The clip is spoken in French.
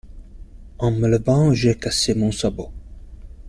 En me levant, j’ai cassé mon sabot.